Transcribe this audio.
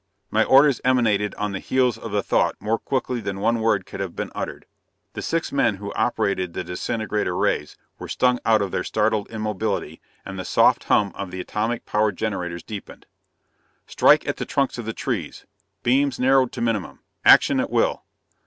My orders emanated on the heels of the thought more quickly than one word could have been uttered. The six men who operated the disintegrator rays were stung out of their startled immobility, and the soft hum of the atomatic power generators deepened. "Strike at the trunks of the trees! Beams narrowed to minimum! Action at will!"